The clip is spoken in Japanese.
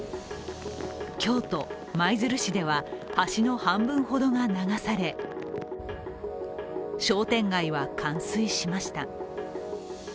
京都・舞鶴市では、橋の半分ほどが流され商店街は冠水しました。